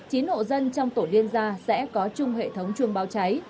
chín hộ dân trong tổ liên gia sẽ có chung hệ thống chuông báo cháy